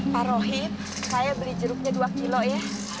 pak rohim saya beli jeruknya dua kilo ya